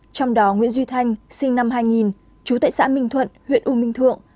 trong đó nguyễn duy thanh sinh năm hai nghìn trú tại xã minh thuận huyện u minh thượng